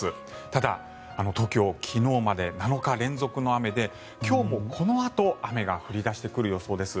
ただ、東京昨日まで７日連続の雨で今日もこのあと雨が降り出してくる予想です。